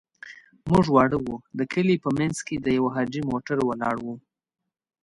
موږ واړه وو، د کلي په منځ کې د يوه حاجي موټر ولاړ و.